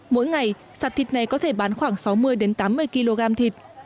mỗi ngày sạp thịt này có thể bán khoảng sáu mươi tám mươi kg thịt